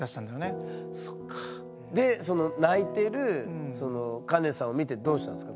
でその泣いてるカネさんを見てどうしたんですか？